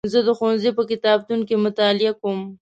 زه د ښوونځي په کتابتون کې مطالعه کوم.